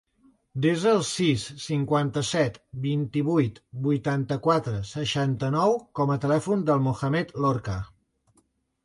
Desa el sis, cinquanta-set, vint-i-vuit, vuitanta-quatre, seixanta-nou com a telèfon del Mohammed Lorca.